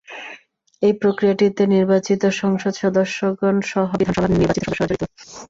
এই প্রক্রিয়াটিতে নির্বাচিত সংসদ সদস্যগণ সহ বিধানসভার নির্বাচিত সদস্যরা জড়িত।